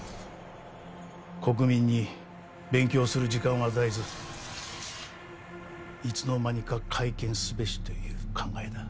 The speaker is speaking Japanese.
国民に勉強する時間を与えずいつの間にか改憲すべしという考えだ。